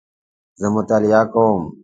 زه مطالعه کوم